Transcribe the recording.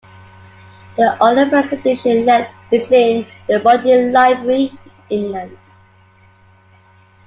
The only first edition left is in the Bodleian Library in England.